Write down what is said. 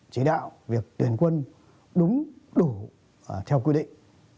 chỉ đạo việc tuyển quân đúng đủ theo quy định